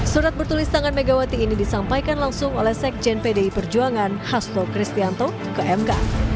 surat bertulis tangan megawati ini disampaikan langsung oleh sekjen pdi perjuangan hasto kristianto ke mk